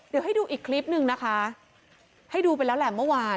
เดี๋ยวให้ดูอีกคลิปหนึ่งนะคะให้ดูไปแล้วแหละเมื่อวาน